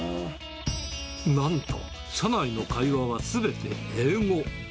なんと、社内の会話はすべて英語。